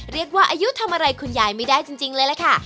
เรียกว่าอายุทำอะไรคุณยายไม่ได้จริงเลยล่ะค่ะ